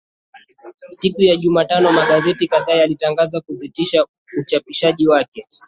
siku ya juma tano magazeti kadhaa yalitangaza kusitisha uchapishaji wake